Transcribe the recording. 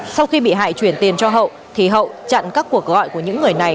sau khi bị hại chuyển tiền cho hậu thì hậu chặn các cuộc gọi của những người này